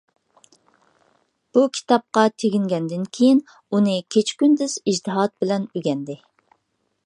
بۇ كىتابقا تېگىنگەندىن كېيىن، ئۇنى كېچە - كۈندۈز ئىجتىھات بىلەن ئۆگەندى.